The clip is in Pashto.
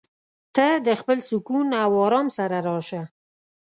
ته د خپل سکون او ارام سره راشه.